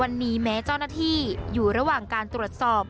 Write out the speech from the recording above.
วันนี้แม้เจ้าหน้าที่อยู่ระหว่างการตรวจสอบ